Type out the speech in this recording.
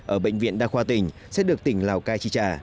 ở bệnh viện đa khoa tỉnh sẽ được tỉnh lào cai chi trả